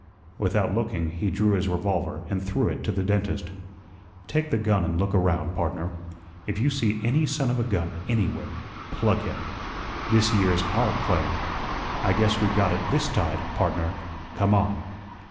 Without looking, he drew his revolver and threw it to the dentist. "Take the gun an' look around, pardner. If you see any son of a gun ANYWHERE, PLUG him. This yere's OUR claim. I guess we got it THIS tide, pardner. Come on."